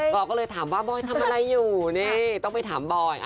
เราก็เลยถามว่าบอยทำอะไรอยู่นี่ต้องไปถามบอย